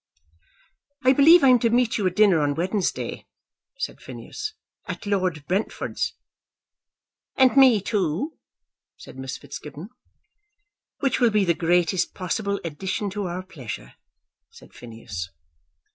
"I believe I am to meet you at dinner on Wednesday," said Phineas, "at Lord Brentford's." "And me too," said Miss Fitzgibbon. "Which will be the greatest possible addition to our pleasure," said Phineas.